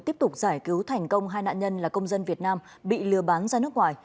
tiếp tục giải cứu thành công hai nạn nhân là công dân việt nam bị lừa bán ra nước ngoài